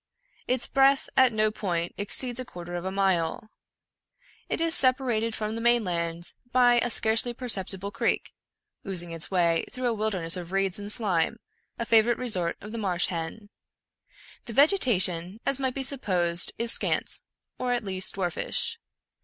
Its breadth at no point exceeds a quarter of a mile. It is sepa rated from the mainland by a scarcely perceptible creek, oozing its way through a wilderness of reeds and slime, a favorite resort of the marsh hen. The vegetation, as might be supposed, is scant, or at least dwarfish.